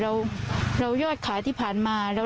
ความปลอดภัยของนายอภิรักษ์และครอบครัวด้วยซ้ำ